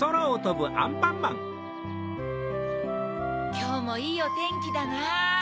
きょうもいいおてんきだなぁ。